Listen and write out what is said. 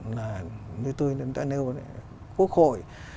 như tôi đã nêu quốc hội